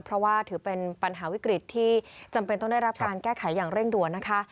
เพราะว่าถือเป็นปัญหาวิกฤตที่จำเป็นต้องได้รับการแก้ไขอย่างเร่งด่วนนะคะ